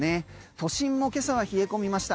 都心も今朝は冷え込みました。